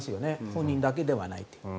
本人だけではない。